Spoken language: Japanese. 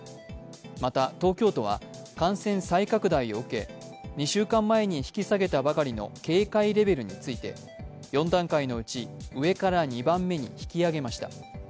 また東京都は感染再拡大を受け２週間前に引き下げたばかりの警戒レベルについて４段階のうち上から２番目に引き上げました。